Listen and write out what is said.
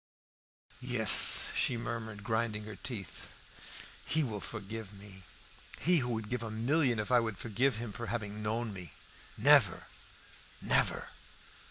"Yes," she murmured, grinding her teeth, "he will forgive me, he who would give a million if I would forgive him for having known me! Never! never!"